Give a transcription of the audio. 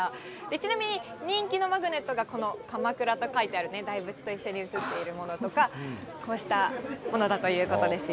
ちなみに人気のマグネットがこの鎌倉と書いてある、大仏と一緒に写っているものだとか、こうしたものだということですよ。